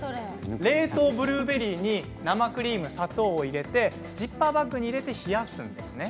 冷凍ブルーベリーに生クリーム、砂糖を入れてジッパーバッグに入れて冷やすんですね。